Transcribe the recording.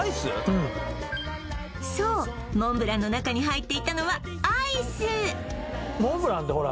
うんそうモンブランの中に入っていたのはアイスモンブランってほら